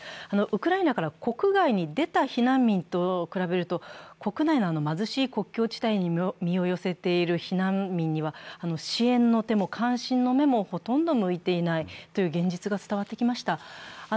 ウクライナから国外に出た避難民と比べると国内の貧しい国境地帯に身を寄せている避難民には支援の手も関心の目もほとんど向いていないという現実が伝わってきました。